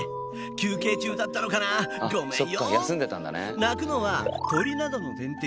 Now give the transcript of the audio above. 休憩中だったのかなごめんよ。